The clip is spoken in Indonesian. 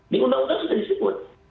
di uu sudah disebut